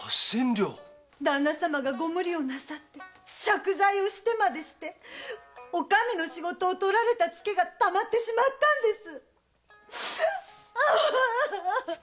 旦那様がご無理をなさって借財をしてまでしてお上の仕事を取られたツケがたまってしまったんです！